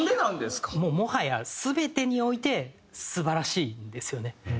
もはや全てにおいて素晴らしいんですよね。